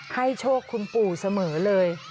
โชคคุณปู่เสมอเลย